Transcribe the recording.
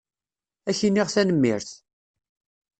Ad ak-iniɣ tanemmirt.